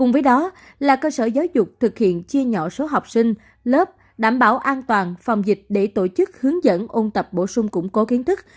với đó là cơ sở giáo dục thực hiện chia nhỏ số học sinh lớp đảm bảo an toàn phòng dịch để tổ chức hướng dẫn ôn tập bổ sung củng cố kiến thức